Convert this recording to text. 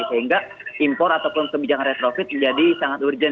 sehingga impor ataupun kebijakan retrofit menjadi sangat urgent